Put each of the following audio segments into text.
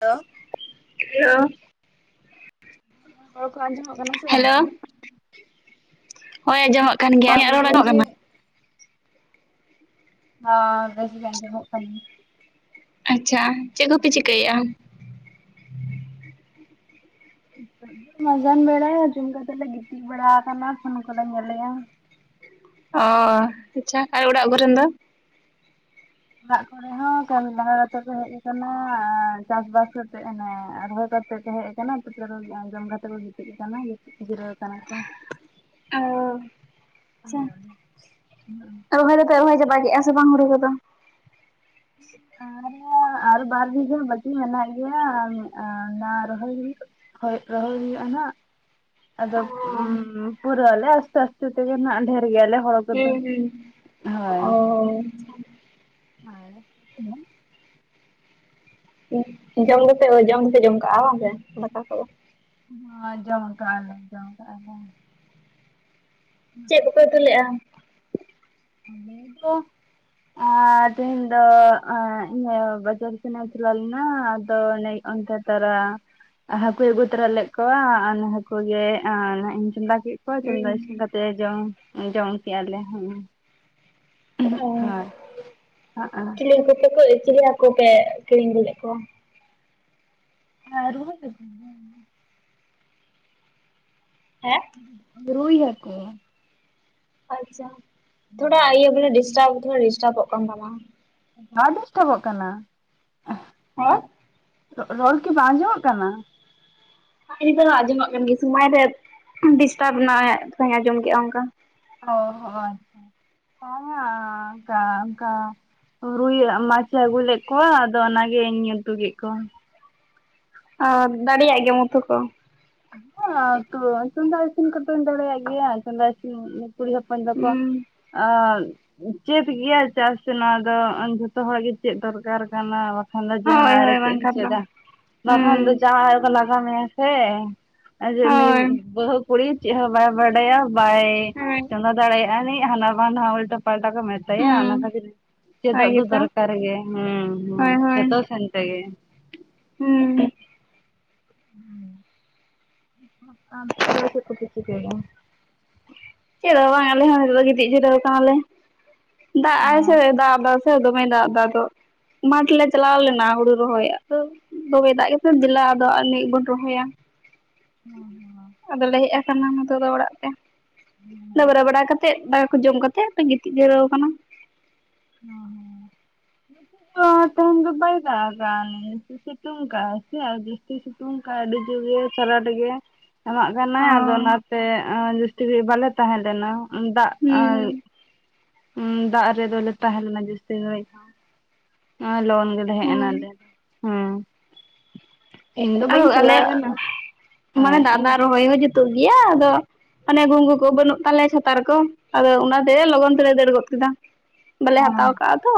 ᱞᱳ‌᱾ ᱞᱚ ᱚᱲ ᱠᱚ ᱟᱸᱡᱚᱢᱚᱜ ᱠᱟᱱᱟ ᱥᱮ ᱦᱮᱞᱳ ᱵᱟᱝᱼᱟ? ᱦᱳᱭ ᱟᱸᱡᱚᱢᱚᱜ ᱠᱟᱱ ᱜᱮᱭᱟ᱾ ᱦᱟᱸ ᱟᱞᱤᱧᱟᱹᱜ ᱞᱟᱹᱭᱮᱜ ᱨᱚᱲ ᱟᱹᱧ ᱟᱡᱚᱢᱚᱜ ᱡᱮ ᱠᱟᱱᱟ? ᱦᱚᱸ ᱵᱮᱥᱜᱮ ᱟᱡᱚᱢᱚᱜ ᱠᱟᱱᱟ ᱾ ᱟᱪᱪᱷᱟ ᱪᱮᱫ ᱠᱚᱯᱮ ᱪᱤᱠᱟ. ᱭᱮ-ᱟ? ᱢᱟᱡᱟᱱ ᱵᱮᱲᱟ ᱡᱚᱢ ᱠᱟᱛᱮᱫ ᱞᱮ ᱜᱤᱛᱤᱡ ᱵᱟᱲᱟ ᱟᱠᱟᱱᱟ ᱯᱷᱳᱱ ᱠᱚᱞᱮ ᱧᱮᱞᱮᱜᱼᱟ ᱾ ᱚ ᱟᱪᱪᱷᱟ ᱟᱨ ᱚᱲᱟᱜ ᱠᱚᱨᱮᱱ ᱫᱚ? ᱚᱲᱟᱜ ᱠᱚᱨᱮ ᱦᱚᱸ ᱠᱟᱹᱢᱤ ᱞᱟᱸᱜᱟ ᱠᱟᱛᱮᱜ ᱠᱚ ᱦᱮᱡ ᱟᱠᱟᱱᱟ ᱟᱨ ᱪᱟᱥ ᱵᱟᱥ ᱠᱟᱛᱮᱜ ᱦᱟᱱᱮ ᱨᱚᱦᱚᱭ ᱠᱟᱛᱮ ᱛᱮ ᱠᱚ ᱦᱮᱡ ᱟᱠᱟᱱᱟ ᱛᱟᱯᱨᱮ ᱡᱚᱢ ᱠᱟᱛᱮ ᱠᱚ ᱜᱤᱛᱤᱡ ᱟᱠᱟᱱᱟ ᱜᱤᱛᱤᱡ ᱡᱤᱨᱟᱹᱣ ᱠᱟᱱᱟ ᱠᱚ ᱾ ᱳ ᱟᱪᱪᱷᱟ ᱾ ᱨᱚᱦᱚᱭ ᱫᱚᱯᱮ ᱨᱚᱦᱚᱭ ᱪᱟᱵᱟ ᱠᱮᱫᱼᱟ ᱥᱮ ᱵᱟᱝ ᱦᱩᱲᱩ ᱠᱚᱫᱚ? ᱟᱣᱨᱤᱭᱟ ᱟᱨ ᱵᱟᱨ ᱵᱤᱜᱷᱟ. ᱵᱟᱹᱠᱤ ᱢᱮᱱᱟᱜ ᱜᱮᱭᱟ᱾ ᱚᱱᱟ ᱨᱚᱦᱚᱭ ᱦᱚᱭᱩᱜ ᱦᱳᱭ ᱨᱚᱦᱚᱭ ᱦᱚᱭᱩᱜ-ᱟ ᱱᱟᱜ ᱟᱫᱚ ᱚ ᱯᱩᱨᱟ. ᱟᱞᱮ ᱟᱥᱛᱮ ᱟᱥᱛᱮ ᱛᱮᱜᱮ ᱦᱟᱜ ᱰᱷᱮᱨ ᱜᱮᱭᱟᱞᱮ ᱦᱚᱲ ᱠᱚ ᱦᱩᱸ ᱫᱚ, ᱦᱩᱸ ᱦᱳᱭ ᱚ ᱾ [unintelligible] ᱡᱚᱢ ᱫᱚᱯᱮ ᱡᱚᱢ ᱫᱚᱯᱮ ᱡᱚᱢ ᱠᱟᱜᱼᱟ ᱵᱟᱝ ᱥᱮ ᱫᱟᱠᱟ ᱠᱚᱫᱚ ᱾ ᱦᱳᱭ ᱡᱚᱢ ᱠᱟᱜ ᱟ ᱞᱮ ᱡᱚᱢ ᱠᱚ ᱟᱫᱚ ᱾ ᱪᱮᱫ ᱠᱚᱯᱮ ᱩᱛᱩ [unintelligible] [unintelligible] [unintelligible] ᱟ ᱛᱮᱦᱮᱧ ᱫᱚ ᱮᱸᱜ ᱵᱟᱡᱟᱨ ᱥᱮᱱᱮ ᱪᱟᱞᱟᱣ ᱞᱮᱱᱟ ᱟᱫᱚ ᱚᱱᱮ ᱚᱱᱛᱮ ᱛᱟᱨᱟ ᱦᱟᱠᱩᱭ ᱟᱹᱜᱩ ᱛᱚᱨᱟ ᱞᱮᱫ ᱠᱚᱣᱟ ᱦᱟᱠᱩ ᱜᱮ ᱤᱧ ᱪᱚᱸᱫᱟ ᱠᱮᱫ ᱠᱚᱣᱟ ᱾ᱪᱚᱱᱫᱟ ᱦᱩᱸ ᱤᱥᱤᱱ ᱠᱟᱛᱮᱫ ᱞᱮ ᱡᱚᱢ ᱡᱚᱢ ᱠᱮᱜᱼᱟ ᱞᱮ ᱦᱮᱸ᱾ ᱚ ᱦᱳᱭ ᱦᱚᱸᱜᱼᱚ ᱪᱤᱞᱤᱠᱩᱯᱮ ᱪᱤᱞᱤ ᱦᱟᱹᱠᱩᱯᱮ ᱠᱤᱨᱤᱧ ᱟᱜᱩ ᱞᱮᱫ ᱠᱚᱣᱟ? [unintelligible] ᱦᱮᱸ? ᱨᱩᱭ ᱦᱟᱠᱩ ᱾ ᱟᱪᱪᱷᱟ ᱛᱷᱚᱲᱟ ᱦᱳᱭ ᱤᱭᱟᱹ ᱵᱚᱞᱮ ᱰᱤᱥᱴᱟᱵ ᱛᱷᱚᱲᱟ ᱰᱤᱥᱴᱟᱵᱚᱜ ᱠᱟᱱ ᱛᱟᱢᱟ ᱾ ᱦᱟ ᱰᱤᱥᱴᱟᱵᱚᱜ ᱠᱟᱱᱟ? ᱦᱮᱸ? ᱨᱚᱲ ᱠᱤ ᱵᱟᱝ ᱟᱡᱚᱢᱚᱜ ᱠᱟᱱᱟ? ᱱᱤᱛᱚᱜ ᱦᱚᱸ ᱟᱸᱡᱚᱢᱚᱜ ᱠᱟᱱ ᱜᱮ ᱥᱚᱢᱚᱭ ᱨᱮ ᱰᱤᱥᱴᱟᱵᱽ ᱱᱟᱜ ᱚᱭ ᱟᱸᱡᱚᱢ ᱠᱮᱫᱟ ᱚᱱᱠᱟ ᱾ ᱚ ᱟᱪᱪᱷᱟ, [unintelligible] ᱨᱩᱭ ᱢᱟᱪᱷᱮ ᱟᱹᱜᱩ ᱞᱮᱫ ᱠᱚᱣᱟ ᱟᱫᱚ ᱚᱱᱟᱜᱮ ᱤᱧ ᱩᱛᱩ ᱠᱮᱫ ᱠᱚᱣᱟ ᱾ ᱚ ᱫᱟᱲᱮᱭᱟᱜ ᱜᱮᱭᱟᱢ ᱩᱛᱩ ᱠᱚ? ᱦᱚᱸ ᱩᱛᱩ, ᱪᱚᱸᱫᱟ ᱤᱥᱤᱱ ᱠᱚᱫᱚᱧ ᱫᱟᱲᱮᱭᱟᱜ ᱜᱮᱭᱟ ᱾ᱪᱚᱸᱫᱟ ᱤᱥᱤᱱ ᱠᱩᱲᱤ ᱦᱚᱯᱚᱱ ᱫᱚᱠᱚ ᱦᱩᱸ ᱟᱻ ᱪᱮᱫ ᱜᱮᱭᱟ ᱪᱮᱫ ᱥᱮ ᱱᱚᱣᱟ ᱫᱚ ᱡᱷᱚᱛᱚ ᱦᱚᱲ ᱜᱮ ᱪᱮᱫ ᱫᱚᱨᱠᱟᱨ ᱠᱟᱱᱟ᱾ ᱵᱟᱠᱷᱟᱱ ᱫᱚ ᱦᱳᱭ ᱡᱟᱶᱟᱭ ᱨᱮ ᱦᱳᱭ ᱪᱮᱫ ᱮᱢ ᱵᱟᱝᱠᱷᱟᱱ ᱫᱚ ᱪᱮᱫᱟ, ᱵᱟᱠᱷᱟᱱ ᱦᱩᱸ ᱫᱚ ᱡᱟᱶᱟᱭ ᱠᱚ ᱞᱟᱜᱟᱣ ᱢᱮᱭᱟ ᱥᱮ᱾ ᱟᱨ ᱩᱱᱤ ᱦᱳᱭ ᱵᱟᱹᱦᱩ ᱠᱩᱲᱤ ᱪᱮᱫ ᱦᱚᱸ ᱵᱟᱭ ᱵᱟᱰᱟᱭᱟ, ᱵᱟᱭ ᱦᱳᱭ ᱪᱚᱸᱫᱟ ᱫᱟᱲᱮᱭᱟᱜ ᱦᱟᱱᱟ ᱵᱟ ᱱᱟᱣᱟ ᱩᱞᱴᱟ ᱯᱟᱞᱴᱟ ᱠᱚ ᱢᱮ ᱛᱟᱭᱟ ᱦᱩᱸ ᱚᱱᱟ ᱠᱷᱟᱹᱛᱤᱨ ᱦᱳᱭ ᱪᱮᱫᱚᱜ ᱫᱚ ᱜᱮᱛᱚ ᱫᱚᱨᱠᱟᱨ ᱜᱮ, ᱦᱩᱸ ᱦᱩᱸ ᱦᱳᱭ ᱦᱳᱭ ᱡᱷᱚᱛ ᱥᱮᱱ ᱛᱮᱜᱮ᱾ ᱦᱩᱸ᱾ ᱟᱢ ᱫᱚ ᱪᱮᱫᱽ ᱠᱚ ᱯᱮ ᱪᱤᱠᱟᱹᱭᱮᱜ-ᱟ? ᱪᱮᱫᱽ ᱦᱚᱸ ᱵᱟᱝ ᱟᱞᱮ ᱦᱚᱸ ᱱᱤᱛᱚᱜ ᱫᱚ ᱜᱤᱛᱤᱡ ᱡᱤᱨᱟᱹᱣ ᱟᱠᱟᱱᱟᱞᱮ᱾ ᱫᱟᱜ ᱟᱭ ᱥᱮ ᱫᱟᱜ ᱮᱫᱟ ᱥᱮ ᱫᱚᱢᱮᱭ ᱫᱟᱜ ᱫᱟ ᱟᱫᱚ ᱢᱟᱴᱷ ᱞᱮ ᱪᱟᱞᱟᱣ ᱞᱮᱱᱟ ᱦᱩᱲᱩ ᱨᱚᱦᱚᱭ᱾ ᱫᱚᱢᱮ ᱫᱟᱜ [unintelligible] ᱫᱮᱞᱟ ᱟᱫᱚ ᱟᱱᱤᱜ ᱵᱚᱱ ᱨᱚᱦᱚᱭᱟ᱾ [inaudible] ᱟᱫᱚᱞᱮ ᱦᱮᱡ ᱟᱠᱟᱱᱟ ᱱᱤᱛᱚᱜ ᱫᱚ ᱚᱲᱟᱜ ᱛᱮ, ᱰᱟᱹᱵᱨᱟᱹ ᱵᱟᱲᱟ ᱠᱟᱛᱮ ᱫᱟᱠᱟ ᱠᱚ ᱡᱚᱢ ᱠᱟᱛᱮ ᱜᱤᱛᱤᱡ ᱡᱟᱹᱨᱟᱹᱣ ᱟᱠᱟᱱᱟ᱾ [inaudible] [unintelligible] ᱛᱮᱦᱮᱧ ᱫᱚ ᱵᱟᱭ ᱫᱟᱜ ᱫᱟ ᱥᱤᱛᱩᱝ ᱠᱟᱜ ᱟᱭ [unintelligible] ᱡᱟᱥᱛᱤ ᱥᱤᱛᱩᱝ ᱠᱟᱜ-ᱟᱭ ᱟᱹᱰᱤ ᱡᱩᱨ ᱜᱮ ᱪᱟᱨᱟᱴ ᱜᱮ᱾ ᱮᱢᱟᱜ ᱠᱟᱱᱟᱭ ᱟᱫᱚ ᱦᱩᱸ ᱚᱱᱟᱛᱮ ᱡᱟᱥᱛᱤ ᱜᱷᱟᱲᱤᱡ ᱵᱟᱞᱮ ᱛᱟᱦᱮᱸᱞᱮᱱᱟ, ᱫᱟᱜ ᱩᱸ ᱫᱟᱜ ᱨᱮᱫᱚᱞᱮ ᱛᱟᱦᱮᱸ ᱞᱮᱱᱟ ᱡᱟᱹᱥᱛᱤ ᱜᱷᱟᱲᱤᱜ᱾ ᱞᱚᱜᱚᱱ ᱜᱮᱞᱮ ᱦᱮᱡ ᱮᱱᱟ ᱦᱩᱸ ᱞᱮ, ᱦᱩᱸ᱾ ᱟᱫᱚ ᱟᱞᱮᱭᱟᱜ, ᱢᱟᱱᱮ ᱟᱨ ᱫᱟᱜ ᱤᱧ ᱫᱟᱜ ᱨᱚᱦᱚᱭ ᱦᱚᱸ ᱡᱩᱛᱩᱜ ᱜᱮᱭᱟ, ᱟᱫᱚ ᱟᱱᱮ ᱜᱩᱝᱜᱩ ᱠᱚ ᱵᱟᱹᱱᱩᱜ ᱛᱟᱞᱮ ᱪᱷᱟᱛᱟᱨ ᱠᱚ, ᱟᱫᱚ ᱚᱱᱟᱛᱮ ᱞᱚᱜᱚᱱ ᱛᱮᱞᱮ ᱫᱟᱹᱲ ᱜᱚᱫ ᱠᱮᱫᱟ᱾ ᱵᱟᱞᱮ ᱦᱟᱛᱟᱣ ᱠᱟᱜᱼᱟ ᱛᱚ,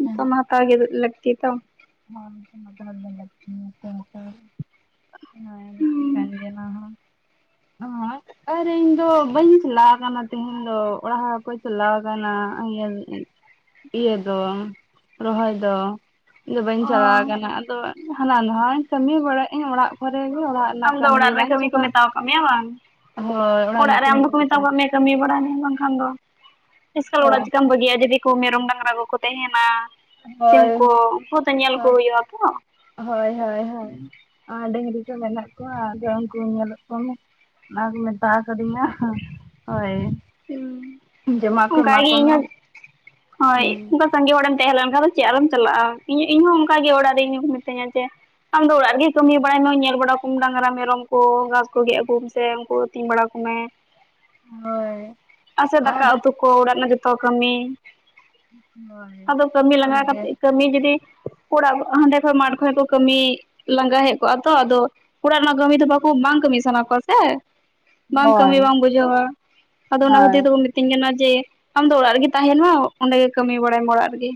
ᱱᱤᱛ ᱢᱟ ᱦᱟᱛᱟᱣ ᱜᱮ ᱞᱟᱹᱠᱛᱤ ᱛᱚ ᱾ [unintelligible] [unintelligible] ᱟᱨ ᱤᱧ ᱫᱚ ᱵᱟᱹᱧ ᱪᱟᱞᱟᱣ ᱟᱠᱟᱱᱟ ᱛᱮᱦᱮᱧ ᱫᱚ, ᱚᱲᱟᱜ ᱠᱚ ᱪᱟᱞᱟᱣ ᱟᱠᱟᱱᱟ, ᱤᱭᱟᱹ ᱤᱭᱟᱹ ᱫᱚ, ᱨᱚᱦᱚᱭ ᱫᱚ᱾ ᱤᱧ ᱫᱚ ᱵᱟᱹᱧ ᱚ ᱪᱟᱞᱟᱣ ᱠᱟᱱᱟ, ᱟᱫᱚ ᱦᱟᱱᱟ ᱱᱟᱣᱟᱧ ᱠᱟᱹᱢᱤ ᱵᱟᱲᱟᱭ ᱟᱹᱧ ᱚᱲᱟᱜ ᱠᱚᱨᱮ ᱜᱮ, ᱚᱲᱟᱜ ᱨᱮᱱᱟᱜ ᱟᱢ ᱫᱚ ᱜᱮ ᱚᱲᱟᱜ ᱨᱮ ᱵᱟᱝ ᱠᱟᱹᱢᱤ ᱠᱚ ᱪᱟᱵᱟᱜ ᱢᱮᱛᱟᱣ ᱟᱠᱟᱫ ᱢᱮᱭᱟ ᱵᱟᱝ? ᱦᱳᱭ ᱚᱲᱟᱜ ᱨᱮᱱᱟᱜ ᱨᱮ ᱠᱟᱹᱢᱤ ᱟᱢ ᱠᱚ ᱫᱚᱠᱚ ᱢᱮᱛᱟᱣ ᱢᱮᱛᱟᱜ ᱟᱠᱟᱫ ᱢᱮᱭᱟ ᱠᱟᱹᱢᱤ ᱵᱟᱲᱟᱭ ᱢᱮ ᱵᱟᱝᱠᱷᱟᱱ ᱫᱚ, ᱮᱥᱠᱟᱨ ᱚᱲᱟᱜ ᱪᱤᱠᱟᱢ ᱵᱟᱹᱜᱤᱭᱟᱜ-ᱟ, ᱡᱩᱫᱤ ᱠᱚ ᱢᱮᱨᱚᱢ, ᱰᱟᱝᱨᱟ ᱠᱚᱠᱚ ᱛᱟᱦᱮᱱᱟ ᱾ ᱦᱳᱭ ᱥᱤᱢᱠᱩ ᱩᱱᱠᱩ ᱫᱚ ᱧᱮᱞ ᱠᱚ ᱦᱩᱭᱩᱜ ᱟ ᱛᱚ ᱾ ᱰᱟᱝᱜᱽᱨᱤ ᱠᱚ ᱢᱮᱱᱟᱜ ᱠᱚᱣᱟ ᱟᱫᱚ ᱩᱱᱠᱩ ᱧᱮᱞᱚᱜ ᱠᱚᱢᱮ᱾ ᱚᱱᱟ ᱠᱚ ᱢᱮᱛᱟᱣ ᱠᱟᱫᱤᱧᱟ, ᱦᱳᱭ ᱾ ᱚᱱᱠᱟ ᱤᱧ ᱦᱚᱸ, ᱦᱳᱭ᱾ ᱥᱟᱸᱜᱮ ᱦᱚᱲᱮᱢ ᱛᱟᱦᱮᱸ ᱞᱮᱱᱠᱷᱟᱱ ᱫᱚ ᱪᱮᱫᱽ ᱟᱫᱚᱢ ᱪᱟᱞᱟᱜᱼᱟ, ᱤᱧᱦᱚᱸ ᱚᱱᱠᱟ ᱜᱮ ᱚᱲᱟᱜ ᱨᱮ ᱤᱧ ᱦᱚᱸ ᱠᱚ ᱢᱤᱛᱟᱹᱧᱟ ᱡᱮ ᱟᱢᱫᱚ ᱚᱲᱟᱜ ᱨᱮᱜᱮ ᱠᱟᱹᱢᱤ ᱵᱟᱲᱟᱭ ᱢᱮ, ᱧᱮᱞ ᱵᱟᱲᱟᱠᱚᱢ ᱰᱟᱝᱜᱽᱨᱟ ᱢᱮᱨᱚᱢ ᱠᱚ, ᱜᱷᱟᱥ ᱠᱚ ᱜᱮᱫ ᱟᱜᱩᱭ ᱢᱮ ᱥᱮ ᱩᱱᱠᱩ ᱠᱚ ᱟᱹᱛᱤᱧ ᱵᱟᱲᱟ ᱠᱩᱢᱮ᱾ ᱦᱳᱭ᱾ ᱟᱨ ᱥᱮ ᱫᱟᱠᱟ ᱩᱛᱩ ᱠᱚ ᱚᱲᱟᱜ ᱨᱮᱱᱟᱜ ᱡᱚᱛᱚ ᱠᱟᱹᱢᱤ᱾ ᱦᱳᱭ ᱟᱫᱚ ᱠᱟᱢᱤ ᱞᱟᱸᱜᱟ ᱠᱟᱛᱮᱫ, ᱚᱱᱟᱜᱮ ᱠᱟᱹᱢᱤ ᱡᱩᱫᱤ ᱚᱲᱟᱜ, ᱦᱟᱸᱰᱮ ᱠᱷᱚᱱ ᱢᱟᱴᱷ ᱠᱷᱚᱡ ᱠᱚ ᱠᱟᱹᱢᱤ ᱞᱟᱸᱜᱟ ᱦᱮᱡ ᱠᱚᱜ-ᱟ, ᱛᱚ ᱟᱫᱚ ᱚᱲᱟᱜ ᱨᱮᱱᱟᱜ ᱠᱟᱹᱢᱤ ᱫᱚ ᱵᱟᱠᱚ ᱵᱟᱝ ᱠᱟᱹᱢᱤ ᱥᱟᱱᱟ ᱠᱚᱣᱟ ᱥᱮ, ᱵᱟᱝ ᱠᱟᱹᱢᱤ ᱦᱳᱭ ᱵᱟᱢ ᱵᱩᱡᱷᱟᱹᱣᱟ᱾ ᱟᱫᱚ ᱚᱱᱟ ᱠᱷᱟᱹᱛᱤᱨ ᱦᱳᱭ ᱛᱮᱠᱚ ᱢᱤᱛᱟᱹᱧ ᱠᱟᱱᱟ ᱡᱮ, ᱟᱢ ᱫᱚ ᱚᱲᱟᱜ ᱨᱮᱜᱮ ᱛᱟᱦᱮᱱ ᱢᱟ ᱚᱸᱰᱮ ᱜᱮ ᱠᱟᱹᱢᱤ ᱵᱟᱲᱟᱭᱟᱢ ᱚᱲᱟᱜ ᱨᱮᱜᱮ᱾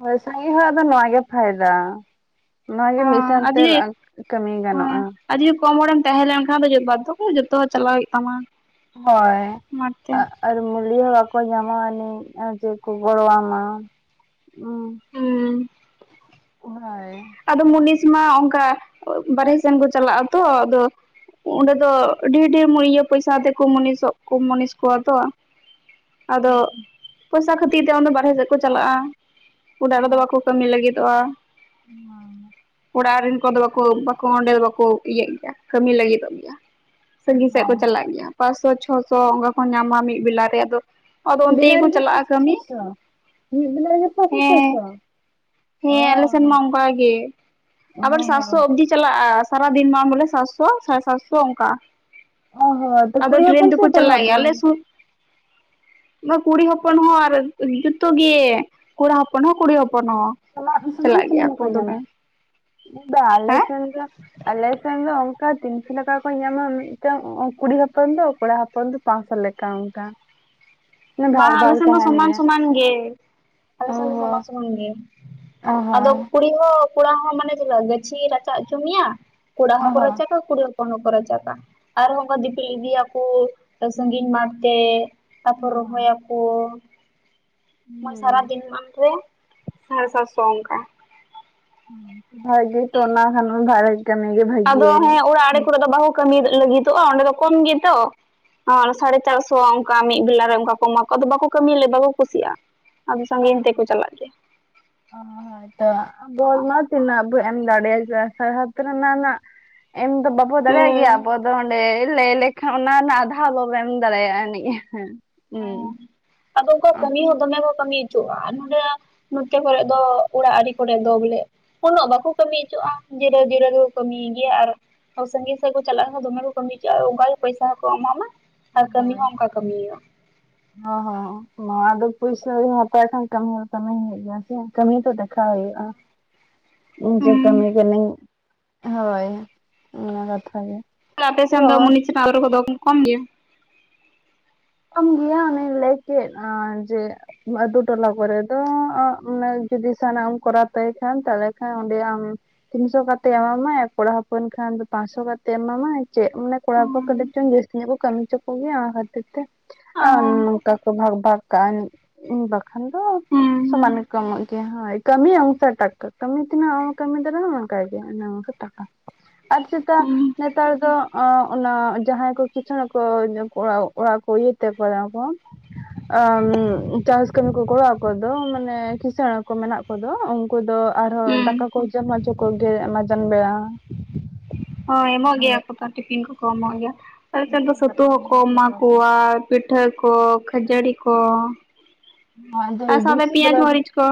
ᱦᱳᱭ ᱥᱟᱺᱜᱤ ᱦᱚᱲᱟᱜ ᱫᱚ ᱱᱚᱣᱟ ᱜᱮ ᱯᱷᱟᱭᱫᱟ ᱾ ᱱᱚᱣᱟ ᱜᱮ ᱦᱚᱸ ᱢᱤᱫ ᱟᱨ ᱥᱟᱶᱛᱮ ᱡᱩᱫᱤ ᱠᱟᱹᱢᱤ ᱜᱟᱱᱚᱜ-ᱟ᱾ ᱦᱮᱸ ᱟᱨ ᱡᱩᱫᱤ ᱠᱚᱢ ᱦᱚᱲᱮᱢ ᱛᱟᱦᱮᱸ ᱞᱮᱱ ᱠᱷᱟᱱ, ᱵᱟᱫᱽᱫᱷᱚᱠᱚᱨ ᱡᱚᱛᱚ ᱪᱟᱞᱟᱜ ᱦᱩᱭᱩᱜ ᱛᱟᱢᱟ᱾ ᱦᱳᱭ ᱢᱟᱴᱷ ᱛᱮ ᱾ ᱟᱨ ᱢᱩᱞᱤᱭᱟ ᱦᱚᱸ ᱵᱟᱠᱚ ᱧᱟᱢᱟᱱᱤᱡ ᱟᱨ ᱡᱮ ᱠᱚ ᱜᱚᱲᱚᱣᱟᱢᱟ ᱾ ᱦᱩᱸ ᱾ ᱦᱟᱭ ᱾ ᱟᱫᱚ ᱢᱩᱚᱱᱤᱥ ᱢᱟ ᱚᱱᱠᱟ ᱵᱟᱨᱦᱮ ᱥᱮᱱ ᱠᱚ ᱪᱟᱞᱟᱜ ᱟᱛᱚ ᱟᱫᱚ ᱚᱸᱰᱮ ᱫᱚ ᱰᱷᱮᱨ ᱰᱷᱮᱨ ᱤᱭᱟᱹ ᱯᱚᱭᱥᱟ ᱛᱮᱠᱚ ᱢᱩᱱᱤᱥᱚᱜ ᱠᱚ ᱢᱩᱱᱤᱥ ᱠᱚᱣᱟ ᱛᱚ ᱾ ᱟᱫᱚ ᱯᱩᱭᱥᱟ ᱠᱷᱟᱹᱛᱤᱨ ᱛᱮ ᱚᱱᱰᱮ ᱵᱟᱨᱦᱮ ᱥᱮᱫ ᱠᱚ ᱪᱟᱞᱟᱜᱼᱟ᱾ ᱚᱲᱟᱜ ᱨᱮᱫᱚ ᱦᱳᱭ, ᱵᱟᱠᱚ ᱠᱟᱹᱢᱤ ᱞᱟᱹᱜᱤᱫᱚᱜᱼᱟ ᱚᱲᱟᱜ ᱨᱮᱱ ᱠᱚᱫᱚ ᱵᱟᱠᱚ ᱠᱚ ᱚᱸᱰᱮ ᱫᱚ ᱵᱟᱠᱚ ᱤᱭᱟᱹᱜ ᱜᱮᱭᱟ ᱠᱟᱹᱢᱤ ᱞᱟᱹᱜᱤᱫᱚᱜ ᱜᱮᱭᱟ ᱥᱟᱺᱜᱤᱧ ᱥᱮᱫ ᱠᱚ ᱦᱳᱭ, ᱪᱟᱞᱟᱜ ᱜᱮᱭᱟ᱾ ᱯᱟᱸᱪᱥᱚ ᱪᱷᱚᱥᱚ ᱚᱝᱠᱟ ᱠᱚ ᱧᱟᱢᱟ ᱢᱤᱫ ᱵᱮᱞᱟ ᱨᱮ ᱟᱫᱚ ᱟᱫᱚ ᱢᱤᱜ ᱚᱱᱛᱮ ᱜᱮᱠᱚ ᱵᱤᱞᱟᱨᱮᱜᱮ ᱪᱟᱞᱟᱜᱼᱟ ᱯᱟᱸᱪᱥᱚ ᱠᱟᱹᱢᱤ ᱪᱷᱚᱥᱚ ᱢᱤᱜ ᱵᱤᱞᱟ ᱨᱮ ᱦᱮᱸ ᱦᱮᱸ ᱟᱞᱮ ᱥᱮᱱ ᱢᱟ ᱚᱱᱠᱟ ᱜᱮ ᱚ ᱟᱵᱟᱨ ᱦᱚᱸ ᱥᱟᱛᱥᱚ ᱚᱵᱫᱤ ᱪᱟᱞᱟᱜᱼᱟ ᱥᱟᱨᱟᱫᱤᱱ ᱵᱟᱝ ᱵᱚᱞᱮ ᱥᱟᱛᱥᱚ ᱥᱟᱲᱮ ᱥᱟᱛᱥᱚ ᱚᱝᱠᱟ᱾ ᱚ ᱦᱚᱸ ᱛᱚ ᱟᱫᱚ ᱠᱩᱲᱤ ᱴᱨᱮᱱ ᱦᱚᱯᱚᱱ ᱥᱮ ᱛᱮᱠᱚ ᱠᱚᱲᱟ ᱪᱟᱞᱟᱜ ᱜᱮᱭᱟ ᱟᱞᱮ ᱦᱚᱯᱚᱱ ᱥᱩᱨ ᱚᱸᱭ ᱠᱩᱲᱤ ᱦᱚᱯᱚᱱ ᱦᱚᱸ ᱟᱨ ᱡᱚᱛᱚ ᱜᱮ᱾ ᱠᱚᱲᱟ ᱦᱚᱯᱚᱱ ᱦᱚᱸ ᱠᱩᱲᱤ ᱦᱚᱯᱚᱱ ᱦᱚᱸ᱾ [inaudible] ᱪᱟᱞᱟᱜ ᱜᱮᱭᱟ ᱠᱚ ᱫᱚᱢᱮ ᱟᱞᱮ ᱦᱮᱸ ᱥᱮᱱ ᱜᱮ ᱟᱞᱮ ᱥᱮᱱ ᱫᱚ ᱚᱝᱠᱟ ᱛᱤᱱ ᱥᱚ ᱴᱟᱠᱟ ᱠᱚ ᱧᱟᱢᱟ ᱢᱤᱫᱴᱟᱝ ᱠᱩᱲᱤ ᱦᱚᱯᱚᱱ ᱟ ᱠᱚᱲᱟ ᱦᱚᱯᱚᱱ ᱫᱚ ᱯᱟᱥᱚ ᱞᱮᱠᱟ ᱚᱝᱠᱟ᱾ ᱵᱟᱝᱟ ᱟᱞᱮ ᱥᱮᱱ ᱫᱚ ᱥᱚᱢᱟᱱ ᱥᱚᱢᱟᱱ ᱜᱮ, ᱟᱞᱮ ᱚ ᱥᱮᱱ ᱫᱚ ᱥᱚᱢᱟᱱ ᱥᱚᱢᱟᱱ ᱜᱮ᱾ ᱟᱫᱚ ᱦᱚᱸ ᱠᱩᱲᱤ ᱦᱚᱸ ᱠᱚᱲᱟ ᱦᱚ ᱢᱟᱱᱮ ᱪᱮᱞᱠᱟ ᱜᱟᱹᱪᱷᱤ ᱨᱟᱪᱟᱜ ᱚᱪᱚ ᱢᱮᱭᱟ? ᱠᱳᱲᱟ ᱚ ᱦᱚᱸᱠᱚ ᱦᱚᱸ ᱨᱟᱪᱟ ᱜᱟ ᱠᱩᱲᱤ ᱦᱚᱯᱚᱱ ᱦᱚᱸ ᱠᱚ ᱪᱟᱪᱟᱜᱟ ᱟᱨᱦᱚ ᱚᱝᱠᱟ ᱫᱤᱯᱤᱞ ᱤᱫᱤᱭᱟᱠᱚ ᱥᱟᱜᱤᱧ ᱢᱟᱴ ᱛᱮ᱾ ᱛᱟᱯᱚᱨ ᱨᱚᱦᱚᱭᱟᱠᱚ ᱾ ᱥᱟᱨᱟ ᱫᱤᱱ ᱢᱟᱱᱨᱮ ᱥᱟᱲᱮ ᱥᱟᱛ ᱥᱚ ᱚᱝᱠᱟ᱾ ᱵᱷᱜ ᱛᱚ ᱚᱱᱟ ᱠᱷᱟᱱ ᱢᱟ ᱵᱷᱟᱜᱮ᱾ ᱠᱟᱹᱢᱤ ᱜᱮ ᱵᱷᱟᱹ ᱟᱫᱚ ᱦᱮᱸ ᱚᱲᱟᱜ ᱨᱮ ᱠᱚᱨᱮ ᱫᱚ ᱵᱟᱦᱩ ᱠᱟᱹᱢᱤ ᱞᱟᱹᱜᱤᱫᱚᱜᱼᱟ ᱚᱸᱰᱮ ᱫᱚ ᱠᱚᱢ ᱜᱮᱛᱚ᱾ ᱚᱸ ᱥᱟᱲᱮ ᱪᱟᱨᱥᱚ ᱚᱝᱠᱟ ᱢᱤᱜ ᱵᱮᱞᱟᱨᱮ ᱚᱝᱠᱟ ᱠᱚ ᱮᱢᱟ ᱠᱚᱣᱟ ᱟᱫᱚ ᱵᱟᱠᱚ ᱠᱟᱹᱢᱤᱭ ᱞᱮᱭᱟ ᱵᱟᱠᱚ ᱠᱩᱥᱤᱭᱟᱜᱼᱟ᱾ ᱟᱫᱚ ᱥᱟᱜᱮᱧ ᱛᱮᱠᱚ ᱪᱟᱞᱟᱜ ᱜᱮᱭᱟ᱾ ᱚ, ᱦᱚᱭ ᱛᱚ ᱟᱫᱚ ᱢᱟ ᱛᱤᱱᱟᱹᱜ ᱟᱹᱵᱤᱱᱟᱜ ᱫᱟᱲᱮ [unintelligible] ᱮᱢ ᱫᱚ ᱵᱟᱯ ᱵᱚ ᱫᱟᱲᱮᱭᱟᱜ ᱦᱩᱸ ᱜᱮᱭᱟ ᱟᱵᱚ ᱫᱚ ᱚᱸᱰᱮ ᱞᱟᱹᱭ ᱞᱮᱠᱷᱟᱱ ᱚᱱᱟ ᱨᱮᱱᱟᱜ ᱟᱫᱷᱟ ᱟᱵᱟᱚᱵᱚ ᱮᱢ ᱫᱟᱲᱮᱭᱟᱜᱼᱟ ᱮᱱᱤᱡ ᱮᱸ ᱦᱮᱸ᱾ ᱦᱩᱸ ᱟᱫᱚ ᱚᱝᱠᱟ ᱠᱟᱹᱢᱤ ᱦᱚᱸ ᱫᱚᱢᱮ ᱠᱚ ᱠᱟᱹᱢᱤᱭ ᱼᱟ ᱱᱚᱰᱮ ᱱᱚᱛᱮ ᱠᱚᱨᱮ ᱫᱚ ᱟᱲᱟᱜ ᱟᱲᱮ ᱠᱚᱨᱮ ᱫᱚ ᱵᱚᱞᱮ ᱩᱱᱟᱹᱜ ᱵᱟᱠᱚ ᱠᱟᱹᱢᱤ ᱦᱚᱪᱚᱣᱟᱜᱼᱟ ᱡᱤᱨᱟᱹᱣ ᱡᱤᱨᱟᱹᱣ ᱨᱮᱠᱚ ᱠᱟᱹᱢᱤ ᱜᱮᱭᱟ ᱟᱨ ᱥᱟᱺᱜᱤ ᱥᱟᱜ ᱠᱚ ᱪᱟᱞᱟᱜ ᱦᱚᱸ ᱫᱚᱢᱮ ᱠᱚ ᱠᱟᱹᱢᱤ ᱠᱮᱜ-ᱟ ᱚᱝᱠᱟᱜᱮ ᱯᱚᱭᱥᱟ ᱦᱚᱸᱠᱚ ᱮᱢᱟᱢᱟ᱾ ᱟᱨ ᱠᱟᱹᱢᱤ ᱦᱚᱸ ᱚᱝᱠᱟ ᱠᱟᱹᱢ ᱦᱩᱭᱩᱜ-ᱟ᱾ ᱚ ᱦᱚᱸᱦᱚᱸ᱾ ᱱᱚᱣᱟ ᱫᱚ ᱯᱩᱭᱥᱟᱹᱧ ᱦᱟᱛᱟᱣ ᱠᱷᱟᱱ ᱠᱟᱹᱢᱤ ᱦᱚᱸ ᱠᱟᱹᱢᱤ ᱦᱩᱭᱩᱜ ᱜᱮᱭᱟ ᱥᱮ ᱠᱟᱹᱢᱤ ᱛᱚ ᱫᱮᱠᱷᱟᱣ ᱦᱩᱭᱩᱜᱼᱟ᱾ ᱤᱧ ᱪᱮᱜ ᱦᱩᱸ ᱠᱟᱹᱢᱤ ᱠᱟᱹᱱᱟᱹᱧ ᱦᱳᱭ ᱚᱱᱟ ᱠᱟᱛᱷᱟ ᱜᱮ᱾ ᱟᱯᱮ ᱥᱮᱱ ᱫᱚ ᱦᱳᱭ ᱢᱩᱱᱤᱥ ᱨᱮᱱᱟᱜ [unintelligible] ᱠᱚᱫᱚ ᱠᱚ ᱠᱚᱢ ᱜᱮᱭᱟ? ᱠᱚᱢ ᱜᱮᱭᱟ ᱚᱱᱚᱧ ᱞᱟᱹᱭ ᱠᱮᱫ ᱡᱮ ᱟᱛᱩ ᱴᱚᱞᱟ ᱠᱚᱨᱮ ᱫᱚ ᱚᱸᱜ ᱡᱩᱫᱤ ᱥᱟᱱᱟ-ᱟᱢ ᱠᱚᱨᱟᱣ ᱛᱟᱭᱟ ᱠᱷᱟᱱ ᱛᱟᱦᱚᱞᱮ ᱠᱷᱟᱱ ᱚᱸᱰᱮ ᱟᱢ ᱛᱤᱱᱥᱚ ᱠᱚᱛᱮᱜ ᱮᱢᱟᱢᱟᱭ ᱟᱨ ᱠᱚᱲᱟ ᱦᱚᱯᱚᱱ ᱠᱷᱟᱱ ᱫᱚ ᱯᱟᱸᱪᱥᱚ ᱠᱟᱛᱮ ᱮᱢᱟᱢᱟᱭ ᱪᱮᱜ ᱢᱟᱱᱮ ᱠᱚᱲᱟ ᱦᱚᱯᱚᱱ ᱠᱟᱹᱴᱤᱡ ᱪᱩᱞᱩᱝᱡᱟᱹᱥᱛᱤ ᱧᱚᱜ ᱠᱚ ᱠᱟᱹᱢᱤ ᱦᱚᱪᱚ ᱠᱚᱜᱮᱭᱟ ᱚᱱᱟ ᱠᱷᱟᱹᱛᱤᱨ ᱛᱮ ᱟᱨ ᱦᱩᱸ ᱱᱚᱝᱠᱟ ᱠᱚ ᱵᱷᱟᱜᱽ ᱵᱷᱟᱜᱽ ᱠᱟᱜᱼᱟ ᱱᱤᱡ᱾ ᱵᱟᱠᱷᱟᱱ ᱫᱚ ᱥᱚᱢᱟᱱ ᱦᱩᱸ ᱜᱮᱠᱚ ᱮᱢᱚᱜ ᱜᱮᱭᱟ ᱦᱚᱭ᱾ ᱠᱟᱹᱢᱤ ᱚᱝᱥᱟᱨ ᱴᱟᱠᱟ ᱠᱟᱹᱢᱤ ᱛᱱᱟ ᱟᱢᱮᱢ ᱠᱟᱹᱢᱤ ᱫᱟᱨᱮᱟᱜᱼᱟ ᱚᱝᱠᱟᱜᱮ ᱟᱱᱮ ᱟᱝᱠᱟ ᱴᱟᱠᱟ᱾ ᱟᱨᱟᱪᱪᱷᱟᱛᱟ ᱦᱩᱸ ᱱᱮᱛᱟᱨ ᱫᱚ ᱚᱱᱟ ᱡᱟᱦᱟᱸᱭ ᱠᱚ [unintelligible] [unintelligible] ᱟᱸ ᱪᱟᱥ ᱠᱟᱹᱢᱤ ᱠᱚ ᱜᱚᱲᱚ ᱟᱠᱚᱫᱚ ᱢᱟᱱᱮ ᱠᱤᱸᱤᱥᱟᱹᱬ ᱠᱚ ᱢᱮᱱᱟᱜ ᱠᱚᱫᱚ ᱩᱝᱠᱩ ᱫᱚ ᱟᱨᱦᱚᱸ ᱦᱩᱸ ᱫᱟᱠᱟ ᱠᱚ ᱡᱚᱢᱼᱟ ᱡᱚᱠᱷᱚᱱ ᱜᱮ ᱢᱟᱡᱟᱱ ᱵᱮᱲᱟ ᱦᱳᱭ ᱮᱢᱚᱜ ᱜᱮᱭᱟ ᱠᱚ ᱛᱚ ᱴᱤᱯᱷᱤᱱ ᱠᱚᱠᱚ ᱮᱢᱚᱜ ᱜᱮᱭᱟ ᱛᱟᱦᱚᱞᱮᱠᱷᱟᱱ ᱫᱚ ᱥᱚᱛᱚ ᱫᱟᱠᱟ ᱡᱚᱢ ᱠᱚᱠᱚ ᱦᱚᱪᱚ ᱮᱢᱟ ᱠᱚᱣᱟ᱾ ᱯᱤᱴᱷᱟᱹ ᱠᱚ ᱠᱷᱟᱹᱡᱟᱹᱲᱤ ᱠᱚ᱾ ᱠᱚ ᱟᱨ ᱥᱟᱶ ᱛᱮ ᱵᱮᱥᱤ ᱯᱤᱭᱟᱡᱽ ᱵᱮᱞᱟ ᱫᱚ ᱢᱟᱹᱨᱤᱪ ᱠᱚ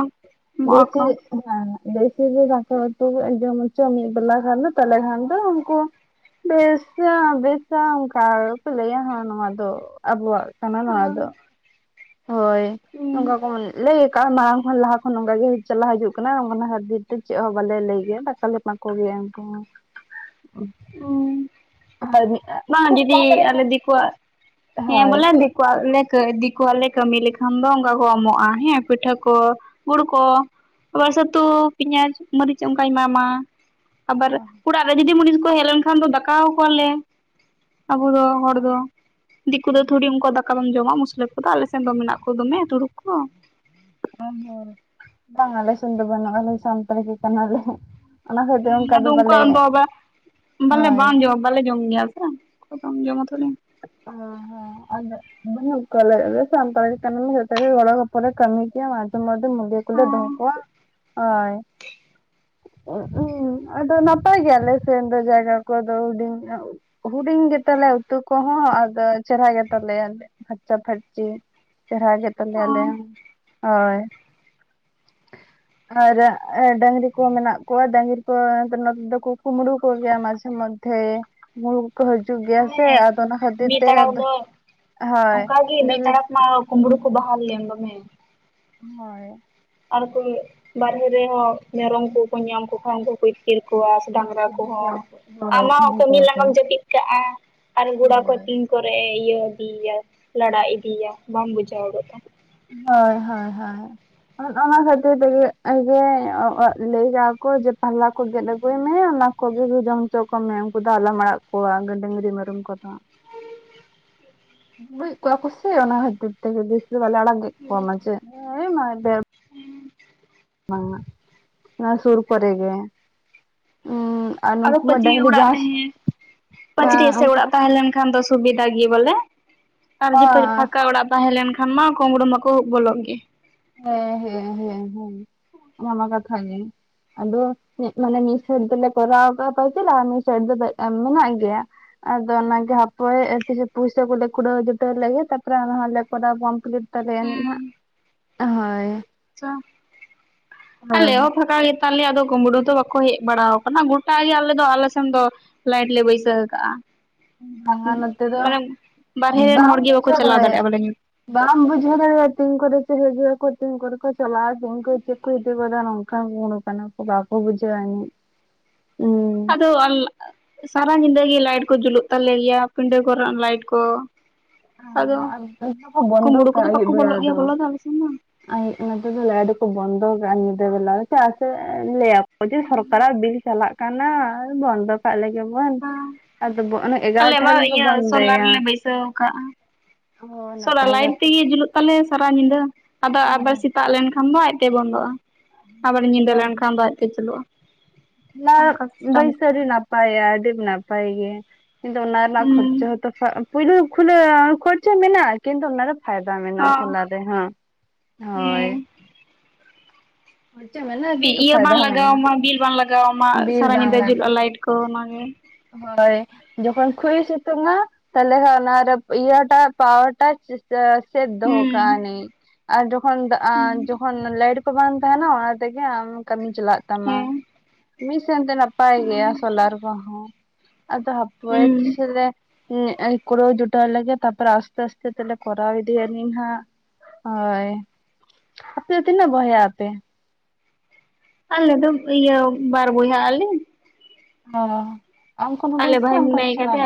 ᱮᱢᱚᱜ-ᱟᱠᱚ᱾ [unintelligible] ᱵᱮᱥᱤ ᱜᱮ ᱫᱟᱠᱟ ᱩᱛᱩ ᱡᱚᱢ ᱚᱪ ᱢᱤᱫ ᱵᱮᱞᱟ ᱠᱷᱟᱱ ᱫᱚ ᱛᱟᱞᱮ ᱠᱷᱟᱱ ᱫᱚ ᱩᱱᱠᱩ ᱵᱮᱥ ᱫᱚ ᱵᱮᱥᱟ ᱚᱝᱠᱟ ᱜᱮ ᱠᱚ ᱞᱟᱹᱭᱟ ᱦᱟᱸᱜ ᱱᱚᱣᱟ ᱫᱚ ᱟᱵᱚᱣᱟᱜ ᱠᱟᱱᱟ ᱱᱚᱣᱟ ᱫᱚ ᱦᱳᱭ ᱱᱚᱝᱠᱟ ᱠᱚ ᱞᱟᱹᱭ ᱠᱟ ᱢᱟᱲᱟᱝ ᱠᱷᱚᱱ ᱞᱟᱦᱟ ᱠᱷᱚᱱ ᱚᱝᱠᱟ ᱜᱮ ᱪᱟᱞᱟᱣ ᱦᱤᱡᱩᱜ ᱠᱟᱱᱟ ᱚᱱᱟ ᱠᱷᱟᱹᱛᱤᱨ ᱛᱮ ᱪᱮᱫ ᱦᱚᱸ ᱵᱟᱞᱮ ᱞᱟᱹᱭ ᱜᱮᱭᱟ ᱫᱟᱠᱟᱞᱮ [unintelligible] ᱠᱚᱜᱮ ᱩᱝᱠᱩ ᱦᱚᱸ ᱚᱸ ᱦᱟᱨ ᱢᱤᱜ ᱵᱟᱝᱼᱟ ᱫᱤᱫᱤ ᱟᱞᱮ ᱫᱤᱠᱩᱣᱟᱜ ᱦᱮᱸ ᱦᱳᱭ ᱵᱚᱞᱮ ᱠᱷᱩᱵ ᱫᱤᱠᱳᱣᱟᱜ ᱞᱮ ᱠᱟᱹ ᱫᱤᱠᱚᱣᱟᱜ ᱞᱮ ᱠᱟᱹᱢᱤ ᱞᱮᱠᱷᱟᱱ ᱫᱚ ᱚᱝᱠᱟ ᱠᱚ ᱮᱢᱚᱜᱼᱟ ᱦᱮᱸ ᱯᱤᱴᱷᱟᱹ ᱠᱚ ᱜᱩᱲ ᱠᱚ᱾ ᱟᱵᱟᱨ ᱥᱟᱹᱛᱩ ᱯᱮᱸᱭᱟᱡᱽ ᱢᱟᱹᱨᱤᱪ ᱚᱝᱠᱟᱭ ᱮᱢᱟ ᱢᱟ᱾ ᱟᱵᱟᱨ ᱩᱲᱟᱜ ᱨᱮ ᱡᱩᱫᱤ ᱢᱩᱱᱤᱥ ᱠᱚ ᱦᱮᱡ ᱞᱮᱱ ᱠᱷᱟᱱ ᱫᱚ ᱫᱟᱠᱟᱣᱟ ᱠᱚᱣᱟ ᱞᱮ᱾ ᱟᱵᱩ ᱫᱚ ᱦᱚᱲ ᱫᱚ ᱫᱤᱠᱩ ᱫᱚ ᱛᱷᱩᱲᱤ ᱩᱝᱠᱩᱣᱟᱜ ᱫᱟ ᱠᱟᱢ ᱮᱢ ᱡᱚᱢᱟ ᱢᱩᱥᱞᱟᱹ ᱠᱚ ᱫᱚ ᱟᱞᱮ ᱥᱮᱱ ᱫᱚ ᱢᱮᱱᱟᱜ ᱠᱚ ᱫᱚᱢᱮ ᱛᱩᱲᱩᱠ ᱠᱚ᱾ [unintelligible] ᱵᱟᱝ ᱟᱞᱮ ᱥᱮᱱ ᱫᱚ ᱵᱟᱱᱩᱜᱼᱟ ᱟᱞᱮ ᱥᱟᱱᱛᱟᱲ ᱜᱮ ᱠᱟᱱᱟ ᱞᱮ᱾ ᱟᱫᱚ ᱩᱝᱠᱩᱣᱟᱜ ᱵᱟ ᱵᱚᱞᱮ ᱦᱳᱭ ᱵᱟᱝ ᱡᱚᱢ ᱵᱟᱞᱮ ᱡᱚᱢ ᱜᱮᱭᱟ [unintelligible] ᱡᱚᱢᱟ ᱛᱷᱳᱲᱮ᱾ ᱚᱸ [unintelligible] ᱵᱟᱹᱱᱩᱜ ᱠᱚᱣᱟ ᱟᱞᱮ ᱟᱞᱮ ᱥᱟᱱᱛᱟᱲ ᱜᱮ ᱠᱟᱱᱟᱞᱮ ᱡᱷᱚᱛᱚ ᱜᱮ ᱜᱚᱲᱚ-ᱜᱚᱯᱚ ᱞᱮ ᱠᱟᱢᱤ ᱜᱮᱭᱟ ᱢᱟᱡᱷᱮ ᱢᱚᱫᱽᱫᱷᱮ ᱢᱩᱞᱭᱟᱹ ᱠᱚ ᱞᱮ ᱫᱚ ᱦᱚᱸ ᱠᱚᱣᱟ ᱦᱚᱭ᱾ ᱩᱸᱜ ᱩᱸ ᱟᱫᱚ ᱱᱟᱯ ᱜᱮᱭᱟᱞᱮ ᱥᱮᱱ ᱫᱚ ᱡᱟᱭᱜᱟ ᱠᱚ ᱫᱚ ᱦᱩᱸᱰᱤᱧ ᱧᱚᱸᱜ᱾ ᱦᱩᱸᱰᱤᱧ ᱜᱮᱛᱟ ᱞᱮᱭᱟ ᱩᱛᱩ ᱠᱚ ᱦᱚᱸ ᱟᱫᱚ ᱪᱮᱨᱦᱟ ᱜᱮᱛᱟ ᱞᱮᱭᱟ ᱯᱷᱟᱨᱪᱟ-ᱯᱷᱟᱨᱪᱤ᱾ ᱪᱮᱨᱦᱟ ᱜᱮ ᱛᱟᱞᱮᱭᱟ ᱟᱞᱮᱭᱟᱝ ᱚᱭ᱾ [unintelligible] ᱟᱨ ᱰᱟᱝᱨᱤ ᱠᱚ ᱢᱮᱱᱟᱜ ᱠᱚᱣᱟ ᱰᱟᱝᱨᱤ ᱠᱚ ᱟᱫᱚ ᱱᱚᱛᱮ ᱫᱚ ᱠᱚ ᱠᱩᱢᱲᱩ ᱠᱚ ᱜᱮᱭᱟ ᱢᱟᱡᱷᱮ ᱢᱚᱫᱽ ᱦᱮᱸ ᱠᱩᱢᱲᱩ ᱠᱚ ᱠᱚ ᱦᱟᱡᱩᱜ ᱜᱮᱭᱟ ᱥᱮ ᱟᱫ ᱢᱤᱫ ᱛᱟᱲᱟᱠ ᱫᱚ ᱦᱳᱭ ᱚᱝᱠᱟ ᱜᱤ ᱢᱤᱫ ᱰᱟᱹᱝᱨᱤ ᱛᱟᱲᱟᱠ ᱢᱟ ᱠᱩᱢᱲᱩ ᱠᱚ ᱵᱟᱦᱟᱞ ᱞᱮᱱ ᱫᱚᱢᱮ᱾ ᱦᱚᱭ᱾ ᱟᱨ ᱠᱚ ᱵᱟᱨᱦᱮ ᱨᱮ ᱦᱚᱸ ᱢᱮᱨᱚᱢ ᱠᱚ ᱠᱚ ᱧᱟᱸᱢ ᱠᱚ ᱠᱷᱟᱱ ᱫᱚ ᱠᱚ ᱤᱫ ᱠᱤᱨ ᱠᱚᱣᱟ ᱥᱮ ᱰᱟᱝᱨᱟ ᱠᱚ ᱤᱫᱤ ᱠᱚᱣᱟ ᱦᱚᱸ᱾ ᱠᱚ ᱟᱢ ᱦᱳᱭ ᱢᱟ ᱤᱫᱤ ᱠᱟᱹᱢᱤ ᱠᱚᱣᱟ ᱠᱚ ᱞᱟᱸᱜᱟᱢ ᱡᱟᱹᱯᱤᱫ ᱠᱟᱜᱼᱟ ᱟᱨ ᱜᱚᱨᱟ ᱠᱚ ᱦᱳᱭ [unintelligible] ᱛᱚᱨᱮ ᱤᱭᱟᱹ ᱤᱫᱤᱭᱟᱭ ᱞᱟᱲᱟ ᱤᱫᱤᱭᱟ ᱵᱟᱢ ᱵᱩᱡᱟ [unintelligible] ᱫᱚ᱾ ᱦᱳᱭ ᱦᱚᱭ ᱦᱚᱭ᱾ ᱟᱨ ᱚᱱᱟ ᱠᱷᱟᱹᱛᱤᱨ ᱛᱮᱜᱮ ᱡᱮ ᱞᱟᱹᱭ ᱠᱚ ᱡᱮ ᱯᱟᱦᱞᱟ ᱠᱚ ᱜᱮᱜ ᱟᱹᱜᱩᱭ ᱢᱮ ᱚᱱᱟ ᱠᱚᱜᱮ ᱜᱮ ᱡᱚᱢ ᱦᱚᱪᱚ ᱠᱚᱢᱮ ᱩᱝᱠᱩ ᱫᱚ ᱟᱞᱚᱢ ᱟᱲᱟᱜ ᱠᱚᱣᱟ ᱰᱟᱹᱝᱨᱤ ᱢᱮᱨᱚᱢ ᱠᱚ ᱫᱚ᱾ ᱠᱩᱢᱲᱩ ᱭᱮᱫ ᱠᱚᱣᱟ ᱠᱚ ᱥᱮ ᱚᱱᱟ ᱠᱷᱟᱹᱛᱤᱨ ᱛᱮ ᱜᱮ ᱵᱤᱥ ᱫᱚ ᱵᱟᱞᱮ ᱟᱲᱟᱜᱮᱜ ᱠᱚᱣᱟ ᱢᱟᱡᱷᱮ ᱮᱻ [unintelligible] ᱦᱩᱸ᱾ ᱵᱟᱝ ᱢᱟ ᱚᱱᱟ ᱥᱩᱨ ᱠᱚ ᱨᱮ ᱜᱮ ᱩᱸᱜ ᱟᱫᱚ ᱯᱟᱹᱪᱤ ᱚᱲᱟᱜ ᱨᱮ ᱯᱟᱹᱪᱨᱤ ᱦᱮᱸ ᱮᱥᱮᱜ ᱩᱱᱠᱩ ᱚᱲᱟᱜ ᱛᱟᱦᱮ ᱞᱮᱱ ᱠᱷᱟᱱ ᱫᱚ ᱥᱩᱵᱤᱛᱟ ᱜᱮᱭᱟ ᱵᱚᱞᱮ ᱟᱨ ᱡᱤᱯᱟᱹ ᱦᱮᱸ ᱯᱷᱟᱸᱠᱟ ᱚᱲᱟᱜ ᱛᱟᱦᱮᱸ ᱞᱮᱱ ᱠᱷᱟᱱ ᱢᱟ ᱠᱩᱢᱲᱩ ᱢᱟ ᱠᱚ ᱵᱚᱞᱚᱜ ᱜᱮ᱾ ᱦᱮᱸ ᱦᱮᱸ ᱦᱮᱸ ᱦᱮᱸ ᱚᱱᱟ ᱢᱟ ᱠᱟᱛᱷᱟ ᱜᱮ᱾ ᱟᱫᱚ ᱮᱸᱜ ᱢᱟᱱᱮ ᱢᱤᱜ ᱥᱟᱭᱤᱴ ᱫᱚᱞᱮ ᱠᱚᱨᱟᱣ ᱠᱟᱜ-ᱟ [unintelligible] ᱟᱨ ᱢᱤᱜ ᱥᱟᱭᱤᱴ ᱫᱚ ᱢᱮᱱᱟᱜ ᱜᱮᱭᱟ᱾ ᱟᱫᱚ ᱚᱱᱟ ᱜᱮ ᱦᱟᱯᱳᱭ ᱛᱤᱥ ᱯᱩᱭᱥᱟᱹ ᱠᱚᱞᱮ ᱠᱩᱰᱟᱹᱣ ᱡᱩᱴᱟᱹᱣ ᱞᱮᱜᱮ ᱛᱟᱨᱯᱚᱨᱮ ᱟᱨᱚ ᱦᱟᱸᱜ ᱞᱮ ᱠᱚᱨᱟᱣ ᱠᱚᱢᱯᱤᱞᱤᱴ ᱛᱟᱞᱮ ᱭᱟᱱᱤᱜ ᱦᱟᱸᱜ᱾ ᱚᱦᱚᱭ᱾ ᱪᱟ ᱟᱞᱮ ᱦᱚᱸ ᱯᱷᱟᱠᱟ ᱜᱮ ᱫᱚ ᱠᱩᱢᱵᱩᱲᱩ ᱫᱚ ᱵᱟᱠᱚ ᱦᱮᱡ ᱵᱟᱲᱟ ᱟᱠᱟᱱᱟ ᱜᱚᱴᱟᱜ ᱜᱮ ᱟᱞᱮ ᱫᱚ ᱟᱞᱮ ᱥᱮᱱ ᱫᱚ᱾ ᱞᱟᱭᱤᱴ ᱞᱮ ᱵᱟᱹᱭᱥᱟᱹ ᱠᱟᱜᱼᱟ᱾ ᱵᱟᱝᱟ ᱱᱚᱛᱮ ᱫᱚ ᱢᱟᱱᱮ ᱵᱟᱨᱦᱮ ᱨᱮᱱ ᱵᱟᱢ ᱦᱚᱲ ᱜᱮ ᱵᱟᱠᱚ ᱵᱩᱡᱷᱟᱹᱣ ᱪᱟᱞᱟᱣ ᱫᱟᱲᱮᱭᱟᱜᱼᱟ ᱫᱟᱲᱮᱭᱟᱜ ᱵᱟᱞᱮ ᱵᱟᱢ ᱵᱩᱡ ᱫᱟᱲᱭᱟ ᱟ ᱛᱤᱱ ᱠᱚᱨᱮ ᱦᱤᱡᱩᱜ ᱛᱤᱱ ᱠᱚᱨᱮ ᱪᱟᱞᱟᱜ ᱟᱠᱚ ᱩᱱᱠᱩ ᱠᱚ᱾ [inaudible] ᱤᱫᱤ ᱠᱟᱱᱟ ᱠᱚ ᱵᱟᱠᱚ ᱦᱩᱸ [inaudible] ᱥᱟᱨᱟ ᱧᱤᱫᱟᱹ ᱜᱤ ᱞᱟᱭᱤᱴ ᱠᱚ ᱡᱩᱞᱩᱜ ᱛᱟᱞᱮ ᱜᱮᱭᱟ ᱯᱤᱰᱟᱹ ᱠᱚᱨᱮ ᱞᱟᱭᱤᱴ ᱠᱚ᱾ ᱟᱫᱚ ᱟᱨ ᱠᱚ ᱵᱚᱱᱫᱚ ᱠᱩᱢᱵᱩᱲᱩ ᱠᱚᱫᱚ ᱠᱟᱜᱼᱟ ᱟᱹᱭᱩᱵ ᱵᱟᱠᱚ ᱵᱮᱲᱟ ᱵᱚᱞᱚᱜ ᱜᱮᱭᱟ ᱵᱚᱞᱚ ᱫᱚ ᱟᱞᱮᱥᱮᱱ ᱢᱟ᱾ ᱱᱚᱛᱮ ᱫᱚ ᱞᱟᱭᱤᱴ ᱫᱚᱠᱚ ᱵᱚᱱᱫᱚ ᱠᱟᱜᱼᱟ ᱧᱤᱫᱟᱹ ᱵᱮᱞᱟ ᱫᱚ ᱪᱟᱜ ᱥᱮ ᱞᱟᱹᱭᱟᱠᱚ ᱡᱮ ᱥᱚᱨᱠᱟᱨᱟᱜ ᱵᱤᱞ ᱪᱟᱞᱟᱜ ᱠᱟᱱᱟ ᱠᱟᱱᱟ ᱵᱚᱱᱫᱚ ᱠᱟᱜ ᱞᱮᱜᱮ ᱵᱚᱱ ᱟᱫᱚ ᱚᱱ ᱮᱜᱟᱨᱚᱴ ᱨᱮᱠᱚ ᱵᱚᱱᱫᱚᱭᱟ᱾ ᱥᱟᱹᱣ ᱠᱟᱜᱼᱟ ᱾ ᱚ ᱥᱚᱞᱟᱨ ᱱᱟᱯᱟᱭ ᱞᱟᱭᱤᱴ ᱠᱟᱛᱷᱟ ᱛᱮᱜᱮ ᱡᱩᱞᱩᱜ ᱛᱟᱞᱮᱭᱟ ᱥᱟᱨᱟ ᱧᱤᱫᱟᱹ ᱟᱫᱚ ᱟᱵᱟᱨ ᱥᱮᱛᱟᱜ ᱞᱮᱱᱠᱷᱟᱱ ᱫᱚ ᱟᱡᱛᱮ ᱵᱚᱱᱫᱚᱜᱼᱟ᱾ ᱟᱵᱟᱨ ᱧᱤᱫᱟᱹ ᱛᱟᱦᱚᱞᱮ ᱞᱮᱱ ᱠᱷᱟᱱ ᱟᱡᱛᱮ ᱪᱟᱞᱩᱜᱼᱟ᱾ ᱚᱱᱟ ᱵᱟᱹᱭᱥᱟᱹ ᱟᱹᱰᱤ ᱱᱟᱯᱟᱭ ᱟᱹᱰᱤ ᱱᱟᱯᱟᱭ ᱜᱮ ᱠᱤᱱᱛᱩ ᱚᱱᱟ ᱨᱮᱱᱟᱜ ᱠᱷᱨᱪ ᱦᱩᱸ ᱡᱮᱛᱚ ᱯᱩᱭᱞᱩ ᱠᱷᱩᱞᱟᱹ ᱠᱷᱚᱨᱪᱟ ᱢᱮᱱᱟᱜᱼᱟ ᱠᱤᱱᱛᱩ ᱚᱱᱟ ᱨᱮ ᱯᱷᱟᱭᱫᱟ ᱢᱮᱱᱟᱜ ᱟ ᱦᱚᱸ ᱥᱚᱞᱟᱨ ᱨᱮᱦᱚᱸ ᱦᱳᱭ᱾ ᱦᱮᱸ ᱠᱷᱚᱨᱪᱟ ᱢᱟᱱᱮ᱾ ᱤᱭᱟᱹ ᱵᱟᱝ ᱞᱟᱜᱟᱣ ᱟᱢᱟ ᱵᱤᱞ ᱵᱟᱝ ᱞᱟᱜᱟᱣᱟ ᱟᱢᱟ ᱵᱤᱞ ᱥᱟᱨᱟ ᱵᱟᱝ ᱧᱤᱫᱟᱹ ᱞᱟᱜᱟᱜᱼᱟ ᱡᱩᱞᱩᱜᱼᱟ ᱞᱟᱭᱤᱴ ᱠᱚ ᱚᱱᱟᱜᱮ᱾ ᱦᱳᱭ᱾ ᱡᱚᱠᱷᱚᱱ ᱠᱷᱩᱭᱮ ᱥᱤᱛᱩᱝᱼᱟ ᱛᱟᱦᱚᱞᱮ ᱠᱷᱟᱱ ᱚᱱᱟ ᱤᱭᱟᱹᱴᱟᱜ ᱯᱟᱣᱟᱨ ᱴᱟᱜ ᱥᱮᱫ ᱫᱚᱦᱚ ᱦᱩᱸ ᱠᱟᱜᱼᱟᱱᱤᱡ ᱟᱨ ᱡᱚᱠᱷᱚᱱ ᱦᱩᱸ ᱡᱚᱠᱷᱚᱱ ᱞᱟᱭᱤᱴ ᱵᱟᱝ ᱛᱟᱦᱮᱱᱟ ᱚᱱᱟ ᱛᱮᱜᱮ ᱟᱢ ᱠᱟᱹᱢᱤ ᱪᱟᱞᱟᱜ ᱛᱟᱢᱟ᱾ ᱦᱮᱸ ᱢᱤᱜ ᱥᱮᱱ ᱛᱮ ᱱᱟᱯᱟᱭ ᱜᱮᱭᱟ ᱥᱚᱞᱟᱨ ᱠᱚ ᱦᱚᱸ ᱟᱫᱚ ᱦᱟᱯᱳᱭ ᱦᱩᱸ ᱛᱤᱞ ᱠᱩᱲᱟᱣ ᱡᱩᱴᱟᱣ ᱞᱮᱜᱮ ᱛᱟᱨᱯᱚᱨ ᱟᱥᱛᱮ ᱟᱥᱛᱮ ᱛᱮᱞᱮ ᱠᱚᱨᱟᱣ ᱫᱭᱟᱞᱤᱧᱦᱟᱸᱜ᱾ ᱦᱳᱭ ᱟᱯᱮ ᱫᱚ ᱛᱤᱱᱟᱹᱜ ᱵᱚᱭᱦᱟ ᱟᱯᱮ? ᱟᱞᱮ ᱫᱚ ᱤᱭᱟᱹ ᱵᱟᱨ ᱵᱚᱭᱦᱟ ᱟᱞᱤᱧ᱾ ᱚ ᱟᱢ ᱠᱷᱚᱱ ᱦᱩᱰᱤᱧ ᱟᱞᱮ ᱤᱧ ᱥᱮ ᱵᱷᱟᱭ ᱟᱢ ᱠᱷᱚᱱ ᱢᱮᱱᱟᱭ ᱥᱮᱲᱟ ᱠᱟᱫᱮᱭᱟ ᱤᱡ?